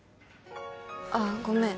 ああごめん